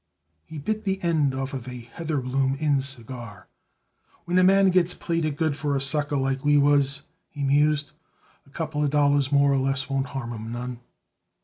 He bit the end off a Heatherbloom Inn cigar. "When a man gets played it good for a sucker like we was," he mused, "a couple of dollars more or less won't harm him none."